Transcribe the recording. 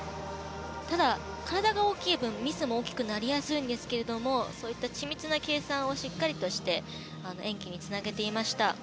ただ、体が大きい分ミスも大きくなりやすいんですがそういった緻密な計算をしっかりとして演技につなげていました。